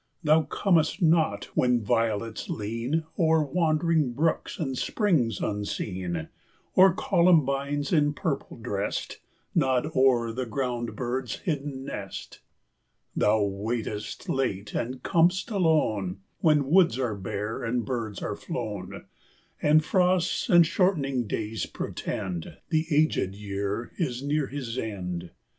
Thou comest not when violets lean O'er wandering brooks and springs unseen, Or columbines, in purple dressed, Nod o'er the ground bird's hidden nest. Thou waitest late and com'st alone, When woods are bare and birds are flown, And frosts and shortening days portend The aged year is near his end.